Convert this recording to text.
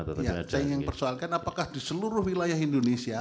saya ingin persoalkan apakah di seluruh wilayah indonesia